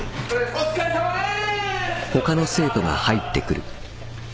お疲れさまでーす！